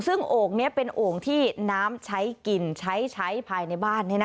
ซึ่งโอ่งนี้เป็นโอ่งที่น้ำใช้กินใช้ใช้ภายในบ้าน